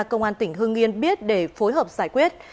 công an tỉnh hương yên biết để phối hợp giải quyết